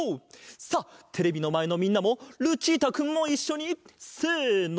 さあテレビのまえのみんなもルチータくんもいっしょにせの！